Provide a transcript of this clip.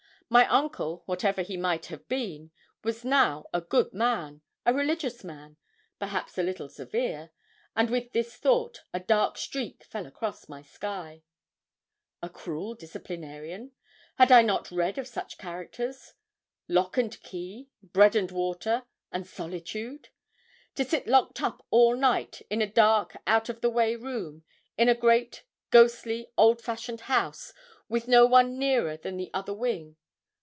My uncle, whatever he might have been, was now a good man a religious man perhaps a little severe; and with this thought a dark streak fell across my sky. A cruel disciplinarian! had I not read of such characters? lock and key, bread and water, and solitude! To sit locked up all night in a dark out of the way room, in a great, ghosty, old fashioned house, with no one nearer than the other wing.